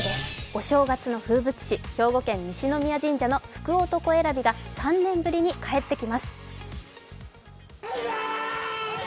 お正月の風物詩、兵庫県・西宮神社の福男選びが３年ぶりに帰ってきます